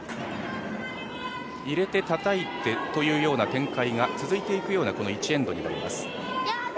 入れてたたいてというような展開が続いていくようなこの１エンドになります。